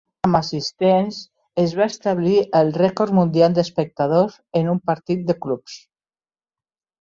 Amb assistents, es va establir el rècord mundial d'espectadors en un partit de clubs.